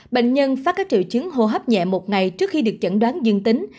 bệnh nhân phát các triệu chứng hô hấp nhẹ một ngày trước khi được chẩn đoán dương tính